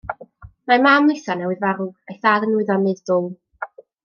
Mae mam Lisa newydd farw, a'i thad yn wyddonydd dwl.